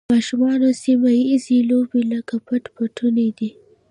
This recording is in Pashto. د ماشومانو سیمه ییزې لوبې لکه پټ پټونی دي.